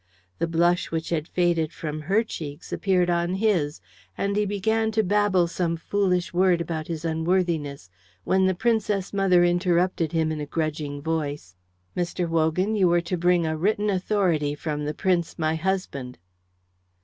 The blush which had faded from her cheeks appeared on his, and he began to babble some foolish word about his unworthiness when the Princess mother interrupted him in a grudging voice, "Mr. Wogan, you were to bring a written authority from the Prince my husband."